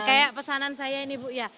kayak pesanan saya ini bu ya